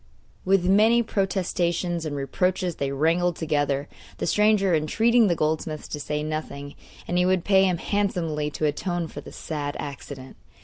With many protestations and reproaches they wrangled together, the stranger entreating the goldsmith to say nothing and he would pay him handsomely to atone for the sad accident.